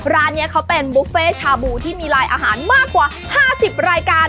ร้านนี้เขาเป็นบุฟเฟ่ชาบูที่มีลายอาหารมากกว่า๕๐รายการ